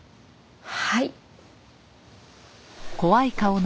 はい。